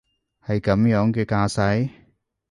係噉樣嘅架勢？